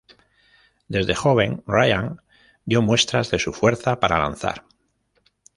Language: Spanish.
Desde joven Ryan dio muestras de su fuerza para lanzar.